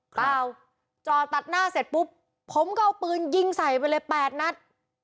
เปล่าจ่อตัดหน้าเสร็จปุ๊บผมก็เอาปืนยิงใส่ไปเลย๘นัด